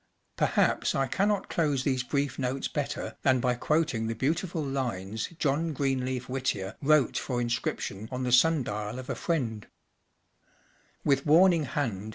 Perhaps I cannot close these brief notes better than by quoting the beautiful lines John Greenleaf Whittier wrote for inscrip¬ tion on the sun dial of a friend : H With warning band